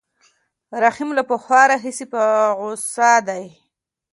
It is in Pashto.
رحیم له پخوا راهیسې په غوسه دی.